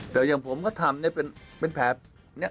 แต่อย่างผมก็ทำเป็นแผลเนี่ย